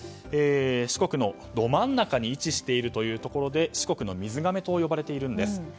四国のど真ん中に位置してるというところで四国の水がめと呼ばれているんです。